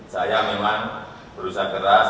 saya memang berusaha keras